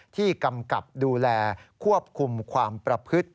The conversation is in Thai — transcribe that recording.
กำกับดูแลควบคุมความประพฤติ